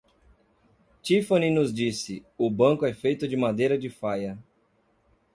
Tiffany nos disse, o banco é feito de madeira de faia.